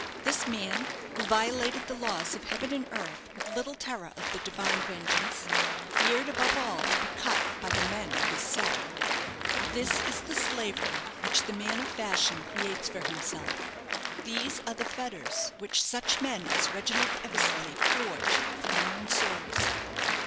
This man, who violated the laws of heaven and earth with little terror of the Divine vengeance, feared above all to be cut by the men of his set. This is the slavery which the man of fashion creates for himself these are the fetters which such men as Reginald Eversleigh forge for their own souls.